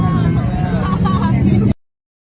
โอเคนะขอบคุณมาก